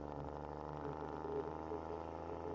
এখানে বেল্লারী ও বিরুর-এর মধ্যবর্তী একটি রেলওয়ে স্টেশন রয়েছে।